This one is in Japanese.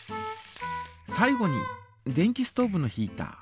最後に電気ストーブのヒータ。